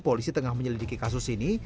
polisi tengah menyelidiki kasus ini